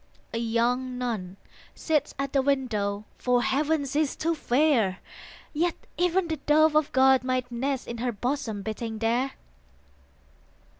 A young nun sits at the window; For Heaven she is too fair; Yet even the Dove of God might nest In her bosom beating there.